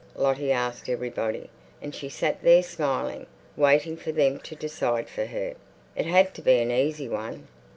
Lottie asked everybody, and she sat there smiling, waiting for them to decide for her. It had to be an easy one.